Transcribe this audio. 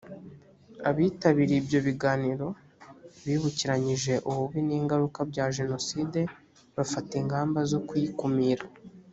abitabiriye ibyo biganiro bibukiranyije ububi n ingaruka bya jenoside bafata ingamba zo kuyikumira